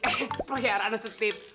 eh piarannya steve